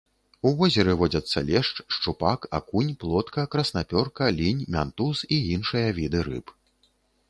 У возеры водзяцца лешч, шчупак, акунь, плотка, краснапёрка, лінь, мянтуз і іншыя віды рыб.